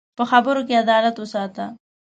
په خبرو کې عدالت وساته